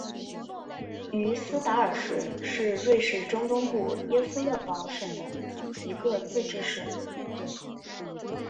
于斯达尔市是瑞典中东部耶夫勒堡省的一个自治市。